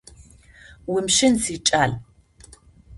Умыщын, сикӏал…